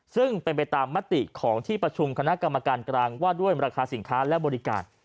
ซึ่งเป็นไปตามมติของที่ประชุมคณะกรรมการกลางว่าด้วยราคาสินค้าและบริการ